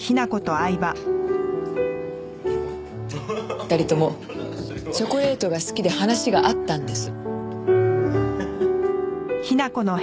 ２人ともチョコレートが好きで話が合ったんです。